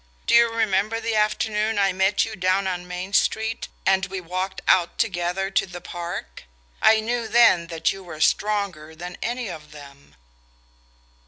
Do you remember the afternoon I met you down on Main Street, and we walked out together to the Park? I knew then that you were stronger than any of them...."